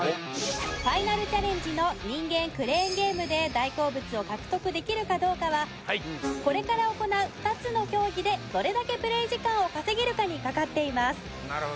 ファイナルチャレンジの人間クレーンゲームで大好物を獲得できるかどうかはこれから行う２つの競技でどれだけプレイ時間を稼げるかにかかっています